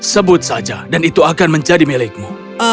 sebut saja dan itu akan menjadi milikmu